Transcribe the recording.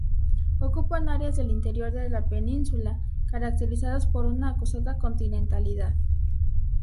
Ocupan áreas del interior de la península, caracterizadas por una acusada continentalidad.